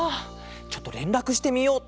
ちょっとれんらくしてみよう。